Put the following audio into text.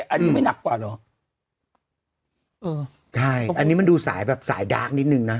อันนี้ไม่หนักกว่าเหรอเออใช่อันนี้มันดูสายแบบสายดาร์กนิดนึงนะ